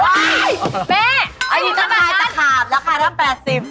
ไอ้ทีต้องแล้วกับคาบราคาทั้ง๘๐บาท